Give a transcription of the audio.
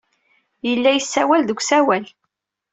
Yella yessawal deg usawal.